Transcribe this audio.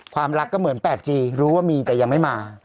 ความรักก็เหมือน๘จีรู้ว่ามีแต่ยังไม่มา